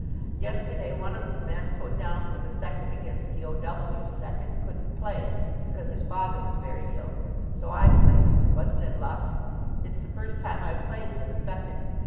Yesterday one of the men put down for the second against the O.W.'s second couldn't play because his father was very ill, so I played. Wasn't it luck? It's the first time I've played for the second.